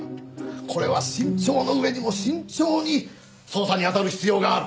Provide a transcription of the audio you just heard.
これは慎重の上にも慎重に捜査にあたる必要がある。